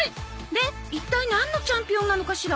で一体なんのチャンピオンなのかしら？